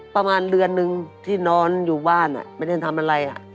ประมาณเดือนนึงที่นอนอยู่บ้านไม่ได้ทำอะไร